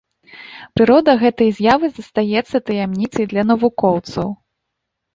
Прырода гэтай з'явы застаецца таямніцай для навукоўцаў.